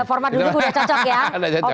format duduk udah cocok ya